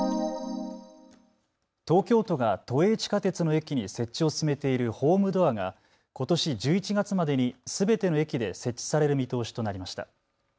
東京都が都営地下鉄の駅に設置を進めているホームドアがことし１１月までにすべての駅で設置される見通しとなりました。